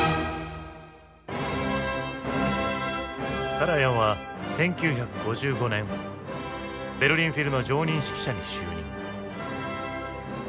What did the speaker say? カラヤンは１９５５年ベルリン・フィルの常任指揮者に就任。